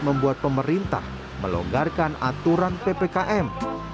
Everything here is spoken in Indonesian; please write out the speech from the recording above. membuat pemerintah melonggarkan aturan ppkm